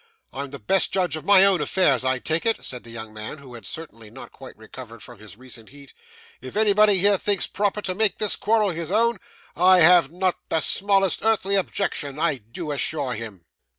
I am the best judge of my own affairs, I take it,' said the young man, who had certainly not quite recovered from his recent heat; 'if anybody here thinks proper to make this quarrel his own, I have not the smallest earthly objection, I do assure him.